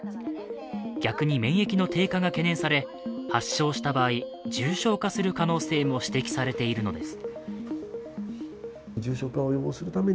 逆に免疫の低下が懸念され、発症した場合、重症化する可能性も指摘されているのです。